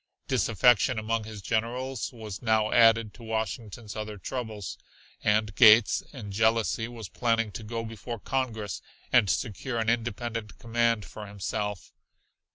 Disaffection among his generals was now added to Washington's other troubles, and Gates, in jealousy, was planning to go before Congress and secure an independent command for himself.